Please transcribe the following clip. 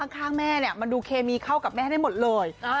ข้างแม่มันดูเคมีเข้ากับแม่ได้หมดเลย